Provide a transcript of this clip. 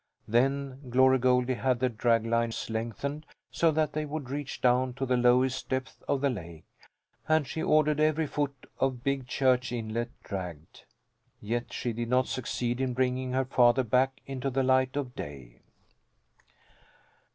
Then Glory Goldie had the draglines lengthened, so that they would reach down to the lowest depths of the lake, and she ordered every foot of Big Church Inlet dragged; yet she did not succeed in bringing her father back into the light of day.